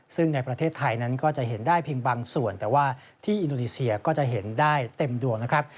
ซึ่งในประเทศไทยนั้นก็จะเห็นได้เพียงบางส่วนแต่ว่าที่อินโดนีเซียก็จะเห็นได้เต็มดวงนะครับ